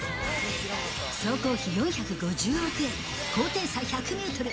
総工費４５０億円、高低差１００メートル。